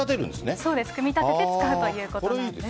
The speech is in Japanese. そうです、組み立てて使うということなんです。